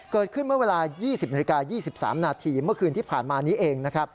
เกิดขึ้นเมื่อเวลา๒๐นาทีเมื่อคืนที่ผ่านมานี้เอง